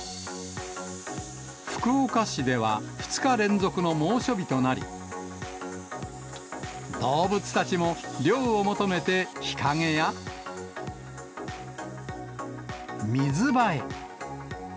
福岡市では２日連続の猛暑日となり、動物たちも涼を求めて日陰や、水場へ。